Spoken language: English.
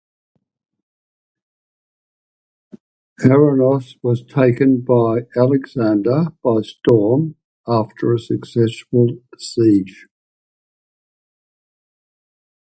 Aornos was taken by Alexander by storm after a successful siege.